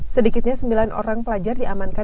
sedikitnya sembilan orang pelajar diamankan